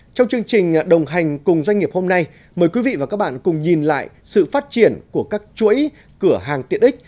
trong chương trình đồng hành cùng doanh nghiệp hôm nay mời quý vị và các bạn cùng nhìn lại sự phát triển của các chuỗi cửa hàng tiện ích